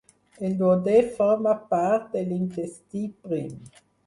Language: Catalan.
El duodè forma part de l'intestí prim.